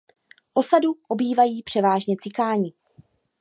Osadu obývají převážně cikáni.